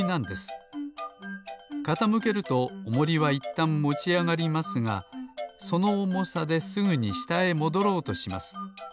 かたむけるとおもりはいったんもちあがりますがそのおもさですぐにしたへもどろうとします。